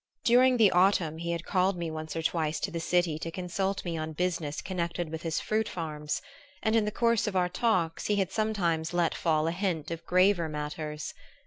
During the autumn he had called me once or twice to the city to consult me on business connected with his fruit farms; and in the course of our talks he had sometimes let fall a hint of graver matters.